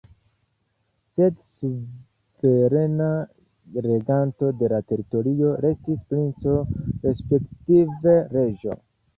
Sed suverena reganto de la teritorio restis princo, respektive reĝo.